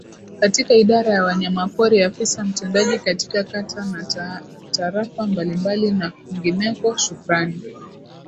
katika Idara ya Wanyamapori Afisa mtendaji katika Kata na Tarafa mbalimbali na kwinginekoShukrani